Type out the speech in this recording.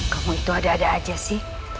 kamu itu ada ada aja sih